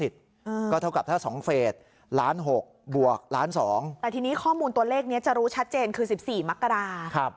แต่ทีนี้ข้อมูลตัวเลขนี้จะรู้ชัดเจนคือ๑๔มกราศาสตร์